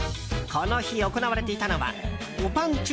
この日、行われていたのはおぱんちゅ